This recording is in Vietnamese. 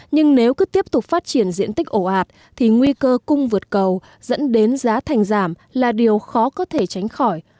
nhưng nếu cứ tiếp tục phát triển diện tích ổ ạt thì nguy cơ cung vượt cầu dẫn đến giá thành giảm là điều khó có thể tránh khỏi